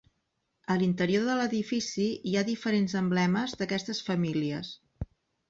A l'interior de l'edifici hi ha diferents emblemes d'aquestes famílies.